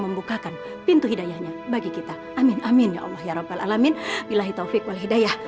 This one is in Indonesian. membukakan pintu hidayahnya bagi kita amin amin ya allah ya rabbal alamin billahitaufiq walhidayah